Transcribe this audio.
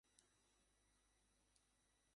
সেদিন মেঘ করিয়া খুব বৃষ্টি হইতেছিল।